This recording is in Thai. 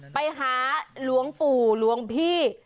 ไปหาหลวงปู่หลวงพี่